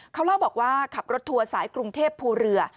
เขาเล่าบอกว่าขับรถทัวร์สายกรุงเทพภูเรือ